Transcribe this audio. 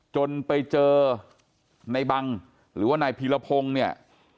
จนไปเจอในบังหรือว่านายพีรพงศ์เนี่ย